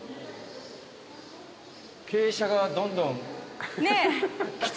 傾斜がどんどん。